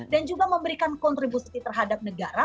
dan juga memberikan kontribusi terhadap negara